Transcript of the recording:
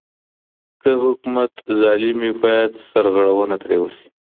که حکومت ظالم وي بايد سرغړونه ترې وسي.